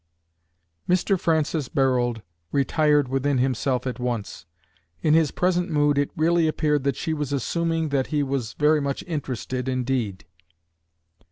Mr. Francis Barold retired within himself at once. In his present mood it really appeared that she was assuming that he was very much interested indeed.